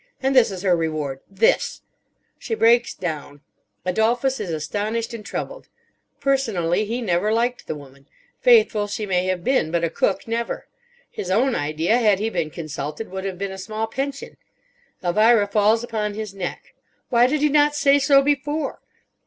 And this is her reward. This! She breaks down. Adolphus is astonished and troubled. Personally he never liked the woman. Faithful she may have been, but a cook never. His own idea, had he been consulted, would have been a small pension. Elvira falls upon his neck. Why did he not say so before?